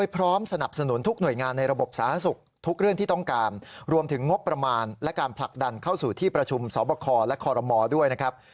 พบประมาณและการผลักดันเข้าสู่ที่ประชุมสอบคอและคอรมมอด์ด้วยนะครับ